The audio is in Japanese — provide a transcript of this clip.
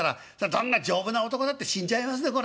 どんな丈夫な男だって死んじゃいますねこら。